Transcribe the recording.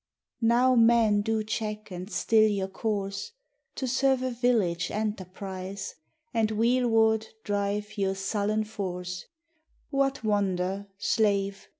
Now men do check and still your course To serve a village enterprise, And wheelward drive your sullen force, What wonder, slave!